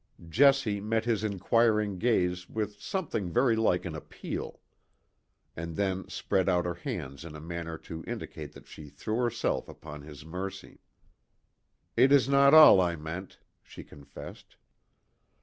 Jessie met his inquiring gaze with something very like an appeal; and then spread out her hands in a manner to indicate that she threw herself upon his mercy. "It is not all I meant," she confessed.